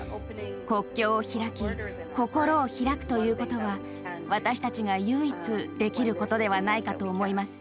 国境を開き心を開くということは私たちが唯一できることではないかと思います。